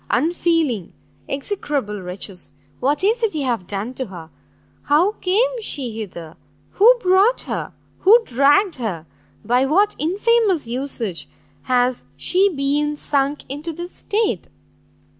unfeeling, execrable wretches, what is it you have done to her? how came she hither? who brought her? who dragged her? by what infamous usage has she been sunk into this state?"